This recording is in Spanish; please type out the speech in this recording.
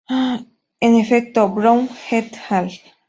En efecto, Brown et al.